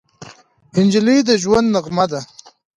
نجلۍ د ژوند نغمه ده.